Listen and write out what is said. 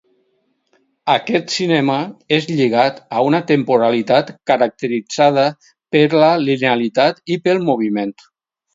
Aquest cinema és lligat a una temporalitat caracteritzada per la linealitat i pel moviment.